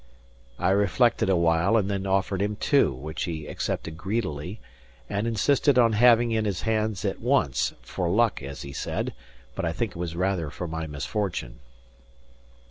I reflected awhile and then offered him two, which he accepted greedily, and insisted on having in his hands at once "for luck," as he said, but I think it was rather for my misfortune.